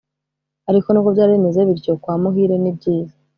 Ariko n,ubwo byari bimeze bityo kwa Muhire nibyiza